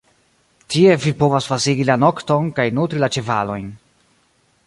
Tie vi povas pasigi la nokton kaj nutri la ĉevalojn.